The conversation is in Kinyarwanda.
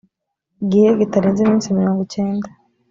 gihe kitarenze iminsi mirongo icyenda